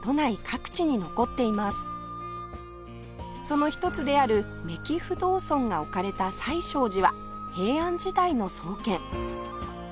その一つである目黄不動尊が置かれた最勝寺は平安時代の創建